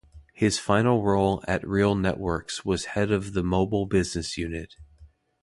His final role at RealNetworks was head of the mobile business unit.